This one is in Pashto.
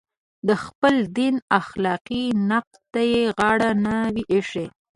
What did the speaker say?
د خپل دین اخلاقي نقد ته یې غاړه نه وي ایښې.